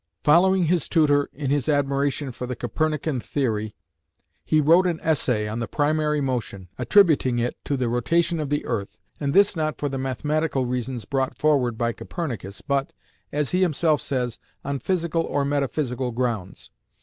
Following his tutor in his admiration for the Copernican theory, he wrote an essay on the primary motion, attributing it to the rotation of the earth, and this not for the mathematical reasons brought forward by Copernicus, but, as he himself says, on physical or metaphysical grounds.